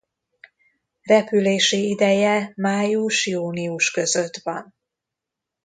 Repülési ideje május–június között van.